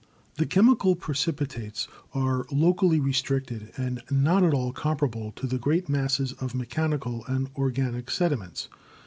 The chemical precipitates are locally restricted, and not at all comparable to the great masses of mechanical and organic sediments.